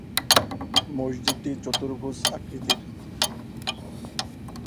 মসজিদটি চতুর্ভুজ আকৃতির।